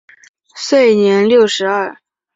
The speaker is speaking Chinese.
卒年六十二。